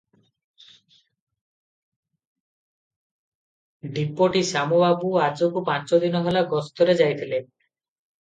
ଡିପୋଟି ଶ୍ୟାମବାବୁ ଆଜକୁ ପାଞ୍ଚଦିନ ହେଲା ଗସ୍ତରେ ଯାଇଥିଲେ ।